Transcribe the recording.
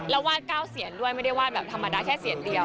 แล้ววาด๙เสียนด้วยไม่ได้วาดแบบธรรมดาแค่เสียนเดียว